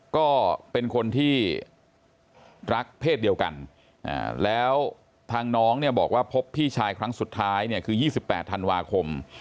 ก็เป็นคนที่รักเพศเดียวกันแล้วทางน้องเนี่ยบอกว่าพบพี่ชายครั้งสุดท้ายเนี่ยคือ๒๘ธันวาคม